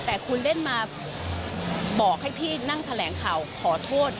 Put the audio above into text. แต่คุณเล่นมาบอกให้พี่นั่งแถลงข่าวขอโทษ